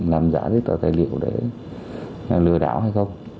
có những tờ tài liệu để lừa đảo hay không